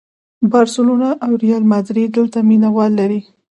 بارسلونا او ریال ماډریډ دلته مینه وال لري.